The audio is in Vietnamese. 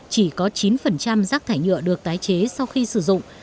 chỉ có chín rác thải nhựa được tái chế sau khi sử dụng